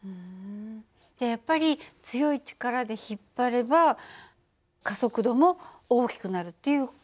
じゃやっぱり強い力で引っ張れば加速度も大きくなるっていう事なのね。